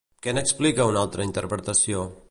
Què n'explica una altra interpretació?